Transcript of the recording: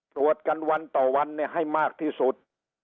ตรวจกันวันต่อวันให้มากที่สุด